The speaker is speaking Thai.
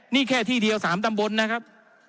นี่แค่ที่เดียว๓ตำบลนะครับ